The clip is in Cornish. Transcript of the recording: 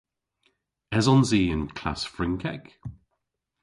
Esons i y�n klass Frynkek?